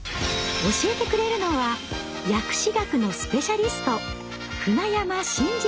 教えてくれるのは薬史学のスペシャリスト